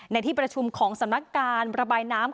ในที่ประชุมของสำนักการระบายน้ำ